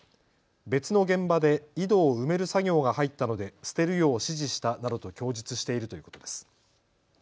別の現場で井戸を埋める作業が入ったので捨てるよう指示したなどと供述しているということです。